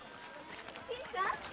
新さん！